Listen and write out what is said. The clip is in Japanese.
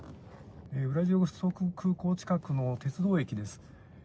ウラジオストク空港近くの鉄道駅です。